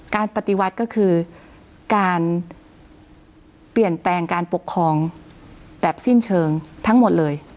การปฏิวัติก็คือการเปลี่ยนแปลงการปกครองแบบสิ้นเชิงทั้งหมดเลย